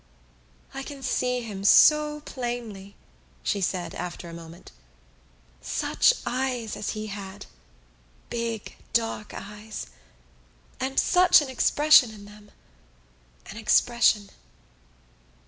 "I can see him so plainly," she said after a moment. "Such eyes as he had: big, dark eyes! And such an expression in them—an expression!"